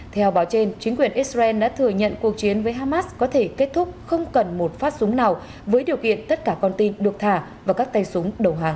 theo báo trên chính quyền israel đã thừa nhận cuộc chiến với hamas có thể kết thúc không cần một phát súng nào với điều kiện tất cả con tin được thả và các tay súng đầu hàng